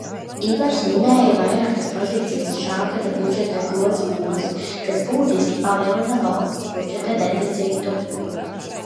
Ivars minēja vairākas pozīcijas šāgada budžeta grozījumos, kas būtiski palielina valsts budžeta deficītu.